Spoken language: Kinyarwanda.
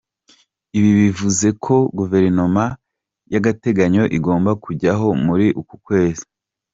Ibi bivuze ko Guverinoma y’agateganyo igomba kujyaho muri uku kwezi.